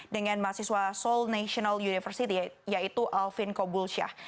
dengan mahasiswa seoul national university yaitu alvin kobulsyah